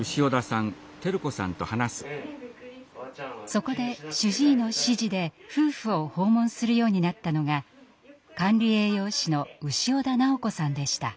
そこで主治医の指示で夫婦を訪問するようになったのが管理栄養士の潮田直子さんでした。